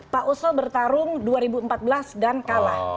pak oso bertarung dua ribu empat belas dan kalah